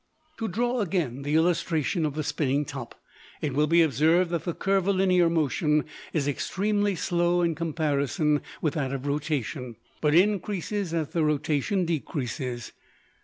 To draw again upon the illustration of the spinning top, it will be observed that the curvilinear motion is extremely slow in comparison with that of rotation, but increases as the rotation decreases.